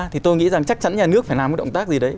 thì tôi nghĩ rằng chắc chắn nhà nước phải làm một động tác gì đấy